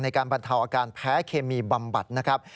การบรรเทาอาการแพ้เคมีบำบัดนะครับ